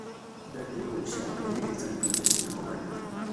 The two tools share many design features in common.